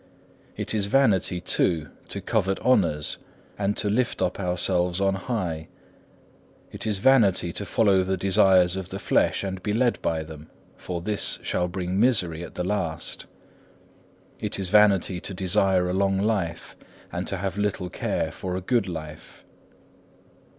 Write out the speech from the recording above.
It is vanity, too, to covet honours, and to lift up ourselves on high. It is vanity to follow the desires of the flesh and be led by them, for this shall bring misery at the last. It is vanity to desire a long life, and to have little care for a good life.